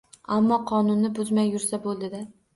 Ammo, qonunni buzmay yursa, bo‘ldi-da.